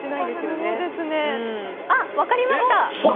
あっ、分かりました！